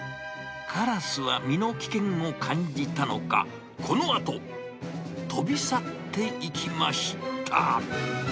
カラスは身の危険を感じたのか、このあと、飛び去っていきました。